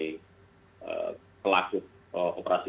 kelompok yang berpengaruh untuk membangun kembali